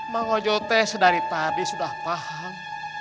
mang ojo teh sedari tadi sudah paham